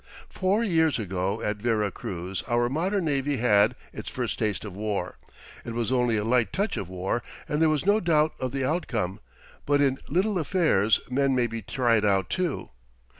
Four years ago at Vera Cruz our modern navy had its first taste of war. It was only a light touch of war, and there was no doubt of the outcome; but in little affairs men may be tried out, too.